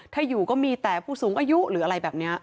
ถ้าอยู่ก็มีแต่ผู้สูงอายุหรืออะไรแบบนี้